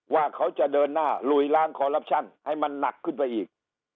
ว่าเขาจะเดินหน้าหลุยล้างให้มันหนักขึ้นไปอีก